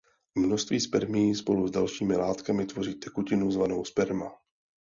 Množství spermií spolu s dalšími látkami tvoří tekutinu zvanou sperma.